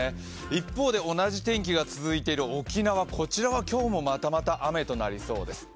一方で同じ天気が続いている沖縄、こちらは今日もまたまた雨となりそうです。